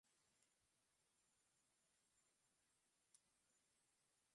তার ছোট ভাই নিউ ডিগ্রি কলেজে পড়ে।